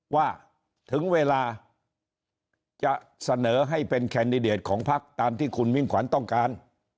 ว่าถึงเวลาจะเสนอให้เป็นแคนดิเดตของพักตามที่คุณมิ่งขวัญต้องการ